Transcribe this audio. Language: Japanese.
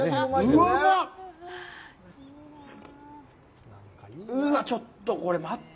うっわ、ちょっとこれ、待って。